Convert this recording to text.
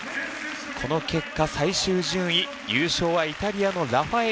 この結果最終順位優勝はイタリアのラファエーリ。